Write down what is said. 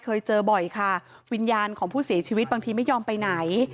เคยเจอบ่อยค่ะวิญญาณของผู้เสียชีวิตบางทีไม่ยอมไปไหน